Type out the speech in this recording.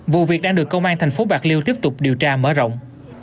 vụ việc đang được công an thành phố bạc liêu tiếp tục điều tra mở rộng